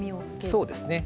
そうですね